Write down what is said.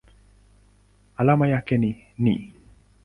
Alama yake ni Ni.